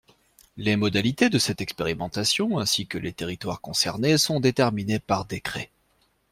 Les modalités de cette expérimentation, ainsi que les territoires concernés, sont déterminés par décret.